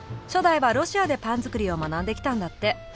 初代はロシアでパン作りを学んできたんだって。